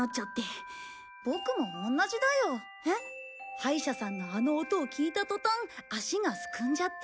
歯医者さんのあの音を聞いた途端足がすくんじゃって。